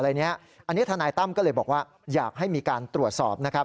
อันนี้ทนายตั้มก็เลยบอกว่าอยากให้มีการตรวจสอบนะครับ